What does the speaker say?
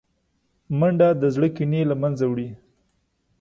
منډه د زړه کینې له منځه وړي